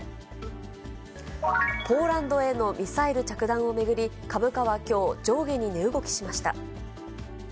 ポーランドへのミサイル着弾を巡り、株価はきょう、上下に値動きしました。